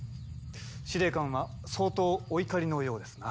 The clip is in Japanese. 司令官は相当お怒りのようですな。